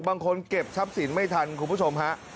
บางคนเก็บทรัพย์สินไม่ทันคุณผู้ชมฮะ